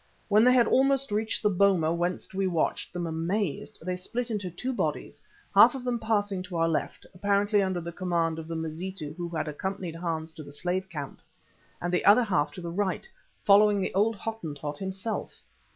When they had almost reached the boma whence we watched them amazed, they split into two bodies, half of them passing to our left, apparently under the command of the Mazitu who had accompanied Hans to the slave camp, and the other half to the right following the old Hottentot himself.